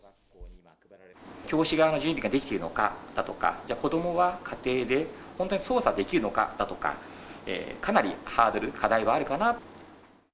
教師側の準備ができているのかとか、じゃあ、子どもは家庭で本当に操作できるのかだとか、かなりハードル、課題はあるかな。